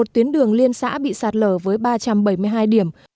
một mươi một tuyến đường liên xã bị sạt lở với ba trăm bảy mươi hai điểm